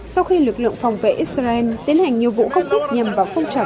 sau khi lực lượng phòng vệ israel tiến hành nhiều vụ gốc bích nhằm vào phong trào